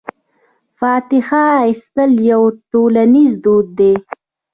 فاتحه اخیستل یو ټولنیز دود دی.